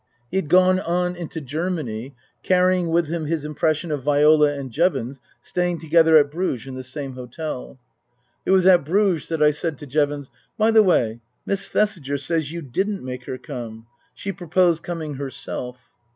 He had gone on into Germany, carrying with him his impression of Viola and Jevons staying together at Bruges in the same hotel. It was at Bruges that I said to Jevons, " By the way, Miss Thesiger says you didn't make her come. She pro posed coming herself."